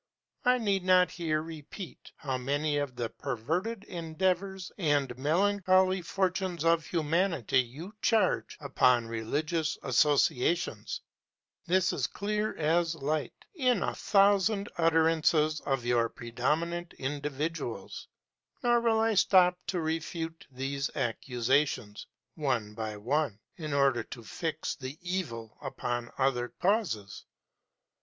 I need not here repeat how many of the perverted endeavors and melancholy fortunes of humanity you charge upon religious associations; this is clear as light, in a thousand utterances of your predominant individuals; nor will I stop to refute these accusations, one by one, in order to fix the evil upon other causes.